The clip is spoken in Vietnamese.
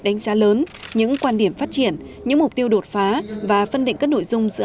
đánh giá lớn những quan điểm phát triển những mục tiêu đột phá và phân định các nội dung giữa